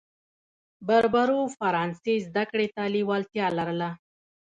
بربرو فرانسې زده کړې ته لېوالتیا لرله.